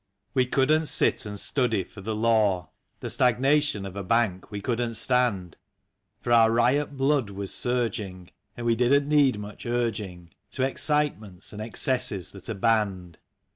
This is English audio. We couldn't sit and study for the law; The stagnation of a bank we couldn't stand; For our riot blood was surging, and we didn't need much urging To excitements and excesses that are banned.